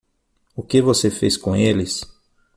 O que você fez com eles?